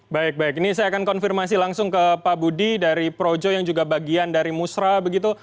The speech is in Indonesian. baik baik ini saya akan konfirmasi langsung ke pak budi dari projo yang juga bagian dari musra begitu